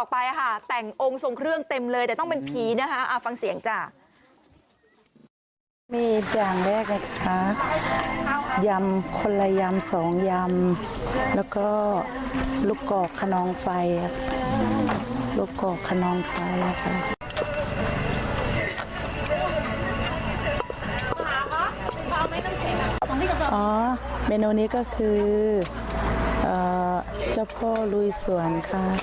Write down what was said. อ๋อเป็นวันนี้ก็คือจ้าพ่อรุยสวรค่ะ